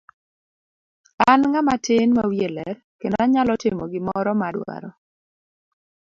An ng'ama tin ma wiye ler kendo anyalo timo gimoro ma adwaro.